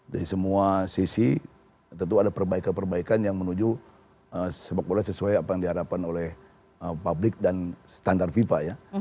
dari semua sisi tentu ada perbaikan perbaikan yang menuju sepak bola sesuai apa yang diharapkan oleh publik dan standar fifa ya